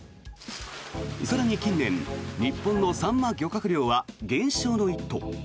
更に近年、日本のサンマ漁獲量は減少の一途。